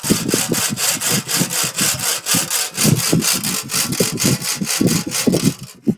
যাত্রায় বাপ-বেটার আরও একজন সঙ্গী জুটে যান, নাম তাঁর শেরপা লহাওয়াং ধনদুপ।